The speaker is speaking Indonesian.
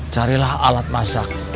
carilah alat masak